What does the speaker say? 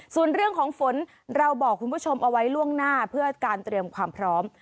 ส่วนเรื่องของฝนเราบอกคุณผู้ชมเอาไว้ล่วงหน้าเพื่อการเตรียมความพร้อม